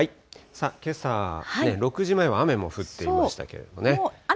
けさ６時前は雨も降っていましたけれどもね。